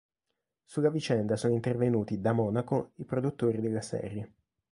Sulla vicenda sono intervenuti, da Monaco, i produttori della serie.